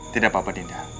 tidak apa apa dinda